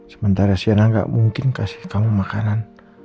sementara siana gak mungkin kasih kamu makanan